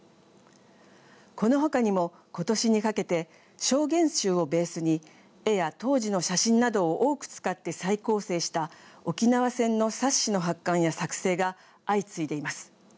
この他にも今年にかけて証言集をベースに絵や当時の写真などを多く使って再構成した沖縄戦の冊子の発刊や作成が相次いでいます。